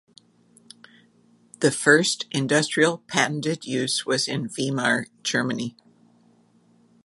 The first industrial patented use was in Weimar, Germany.